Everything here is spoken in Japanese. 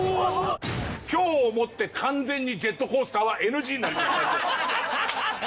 今日をもって完全にジェットコースターはＮＧになりました。